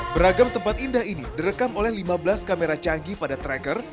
beragam tempat indah ini direkam oleh lima belas kamera canggih pada tracker